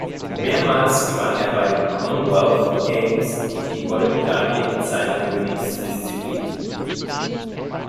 Mehrmals gewann er bei den Commonwealth Games die Goldmedaille in seiner Königsdisziplin.